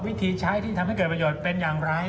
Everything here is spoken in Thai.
วิธีใช้ที่ทำให้เกิดประโยชน์เป็นอย่างไร